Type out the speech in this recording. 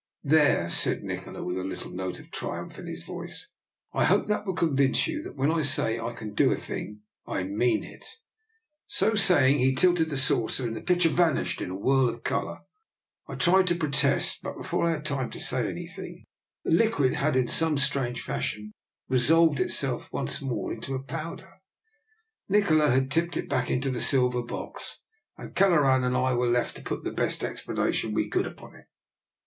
" There," said Nikola, with a little note of triumph in his voice, " I hope that will con vince you that when I say I can do a thing, I mean it." So saying he tilted the saucer, and the picture vanished in a whirl of colour. I tried to protest, but before I had time to say any thing the liquid had in some strange fashion resolved itself once more into a powder, Nikola had tipped it back into the silver box, DR. NIKOLA'S EXPERIMENT. 57 and Kelleran and I were left to put the best explanation we could upon it.